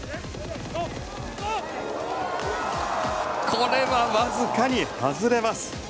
これはわずかに外れます。